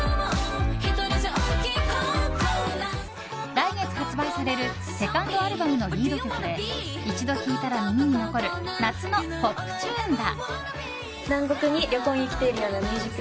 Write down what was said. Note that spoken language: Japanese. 来月発売されるセカンドアルバムのリード曲で一度聴いたら耳に残る夏のポップチューンだ。